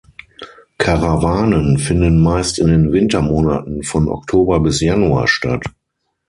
Karawanen finden meist in den Wintermonaten von Oktober bis Januar statt.